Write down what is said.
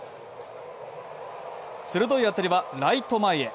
鋭い当たりはライト前へ。